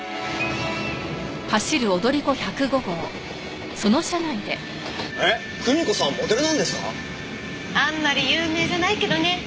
あんまり有名じゃないけどね。